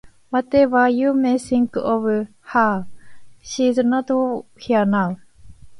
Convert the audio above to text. Whatever you may think of her, she's not here now.